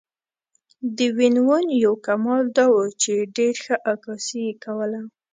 د وین وون یو کمال دا و چې ډېره ښه عکاسي یې کوله.